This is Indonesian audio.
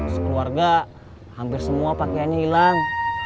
sekeluarga hampir semua pakaiannya hilang